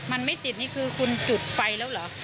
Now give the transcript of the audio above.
มันไม่ติดนี่คือคุณจุดไฟแล้วเหรอ